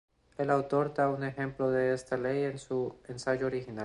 El autor da un ejemplo de esta ley en su ensayo original.